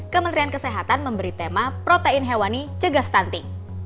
kementerian kesehatan memberi tema protein hewani cegah stunting